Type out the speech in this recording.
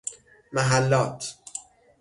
محلات